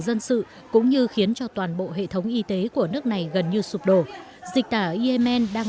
dân sự cũng như khiến cho toàn bộ hệ thống y tế của nước này gần như sụp đổ dịch tả yemen đang